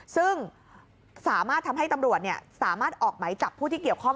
ซึ่งสามารถทำให้ตำรวจสามารถออกไหมจับผู้ที่เกี่ยวข้อง